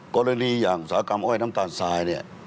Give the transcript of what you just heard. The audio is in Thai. กรณีอย่างสากรรมอ้อยน้ำตาลซาย